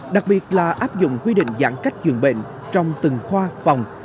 đặc biệt là áp dụng quy định giãn cách dường bệnh trong từng khoa phòng